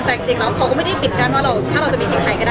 แต่จริงแล้วเขาก็ไม่ได้ปิดกั้นว่าถ้าเราจะมีเพียงใครก็ได้